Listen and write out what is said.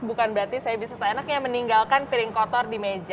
bukan berarti saya bisa seenaknya meninggalkan piring kotor di meja